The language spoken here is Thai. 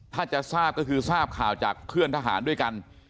ถ้าจะทราบก็คือทราบข่าวจากเพื่อนทหารด้วยกัน